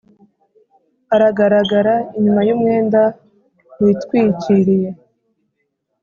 aragaragara inyuma y’umwenda witwikiriye.